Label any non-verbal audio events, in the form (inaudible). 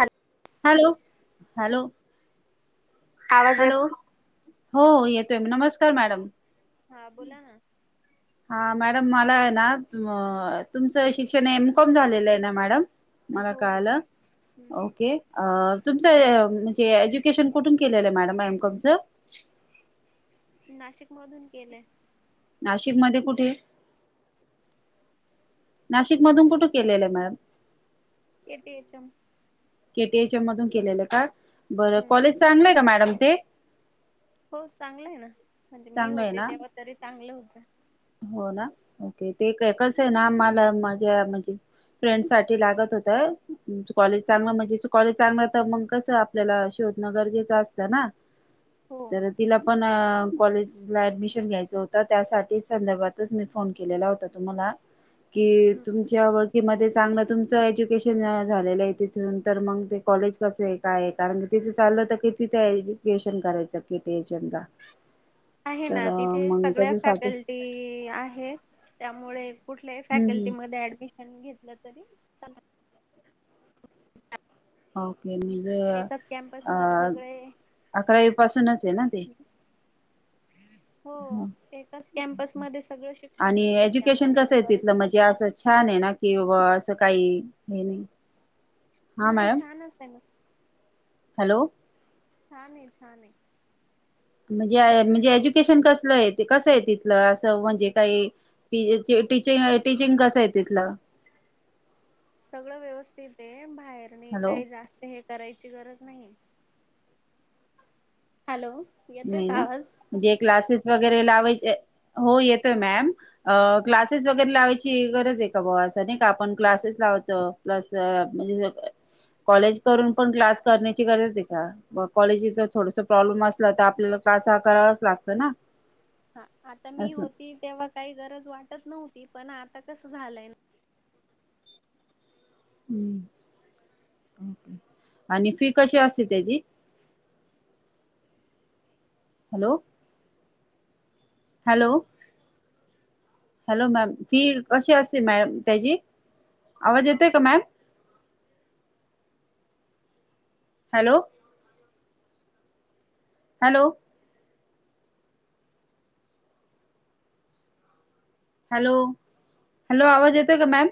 Hello hello hello आवाज येत hello हो येतोय नमस्कार मॅडम हा बोला ना हा मॅडम मला आहे ना तुमचं शिक्षण एमकॉम झालेलं आहे ना मॅडम मला हो हो कालं हम्म ओके अ तुम्ही म्हणजे एज्युकेशन कुठून केलेलं आहे मॅडम एमकॉम च नाशिक मधून केलंय नाशिक मध्ये कुठे नाशिकमधून कुठे केलेलं आहे मॅम एटी यजम केटीएय च्या मधून केलेलं का बरं हम्म कॉलेज चांगलंय का मॅडम ते हो चांगलं आहे ना म्हणजे मी चांगलं आहे होते ना तेव्हा तरी चांगलं होत हो ना ओके ते काय कसं आहे ना मला माझ्या म्हणजे फ्रेंड साठी लागत होत कॉलेज हम्म चांगलं म्हणजे कॉलेज चांगला तर मग कसं आपल्याला शोधनगरजेच असतं ना हो तर तिला पण कॉलेजला ऍडमिशन घ्यायचं होतं त्यासाठी तेच संदर्भातच मी फोन केलेला होता तुम्हाला की हम्म तुमच्या आवड किंवा ते चांगलं तुमचं एज्युकेशन झालेलं आहे तिथून तर मग ते कॉलेज कसं आहे काय आहे कारण तिथं चाललं होत की तिथे एज्युकेशन करायच तिथ तर मग त्याच्यासाठी ते आहेत त्यामुळे कुठल्याही हम्म हम्म फॅकल्टी म ऍडमिशन घेतलं तरी चल त ओके मग एकाच कॅम्पस अ मध्ये सगळे अकरावी पासूनच आहे ना ते ह हो एकाच कॅम्पसमध्येध्ये सगळं शिक्षण आणि मिळतं त्यामुळे बरेच मोठ घेतात न किवा असं काही हे नाही हा नाही मॅडम छानच आहे ना हॅलो छानआहे छानआहे म्हणजे म्हणजे एज्युकेशन कसलं आहे कसं आहे तिथलं असं म्हणजे काही टी टीचिंग कसं आहे तिथलं ह सगळं व्यवस्थित आहे बाहेरणी हॅलो काही जास्त हे करायची गरज नाही हॅलो येतोय नाही का ना आवाज? जे क्लासेस वगैरे लावायचे हो येतोय मॅम अ हम्म. क्लासेस वगैरे लावायचे अशी गरज आहे का बा असं नाही का आपण क्लासेस लावतो प्लस म्हणजे कॉलेज करून पण क्लास करण्याची गरज आहे का कॉलेजीच थोडस प्रॉब्लेम असत तर आपल्याला क्लास हा करावाच लागतं ना हा आता मी असं होती तेव्हा काही गरज वाटत नव्हती ती पण आता कसं झालंय ना आणि फी कशी असते त्याची (inaudible) hello hello hello ma'am fee कशी असते मॅम त्याची आवाज येतोय का ma'am hello hello hello hello आवाज येतोय का मॅम